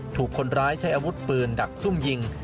ถูกคนร้ายใช้อาวุธปืนดักซุ่มยิง